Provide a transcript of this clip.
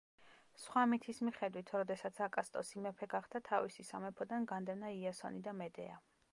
სხვა მითის მიხედვით, როდესაც აკასტოსი მეფე გახდა, თავისი სამეფოდან განდევნა იასონი და მედეა.